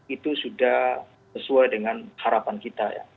itu sudah sesuai dengan harapan kita ya